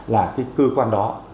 là cái cơ quan đó